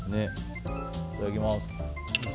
いただきます。